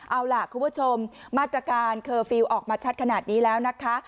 เอาล่ะคุณผู้ชมมาตรการเคอร์ฟิลล์ออกมาชัดขนาดนี้แล้วนะคะ